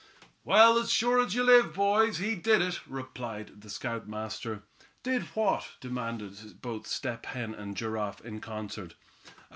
"Well, as sure as you live, boys, he did it," replied the scoutmaster. "Did what?" demanded both Step Hen and Giraffe in concert.